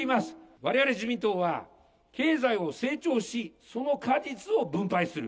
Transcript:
われわれ自民党は、経済を成長し、その果実を分配する。